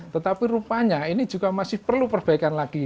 tetapi rupanya ini juga masih perlu perbaikan lagi